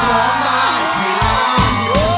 ล้อมได้ให้ร้าน